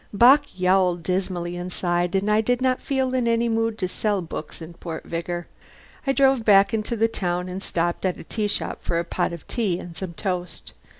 Bock yowled dismally inside, and I did not feel in any mood to sell books in Port Vigor. I drove back into the town and stopped at a tea shop for a pot of tea and some toast.